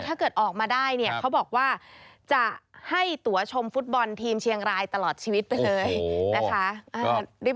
ถ้าเกิดออกมาได้เนี่ยเขาบอกว่าจะให้ตัวชมฟุตบอลทีมเชียงรายตลอดชีวิตไปเลยนะคะ